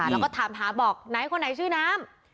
แล้วก็ถามหาบอกไหนคนไหนชื่อน้ำ